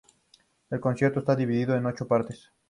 El concierto está dividido en ocho partes.